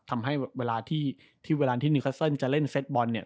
ทำให้เวลาที่นิวคัสเซ็นต์จะเล่นเซ็ทบอลเนี่ย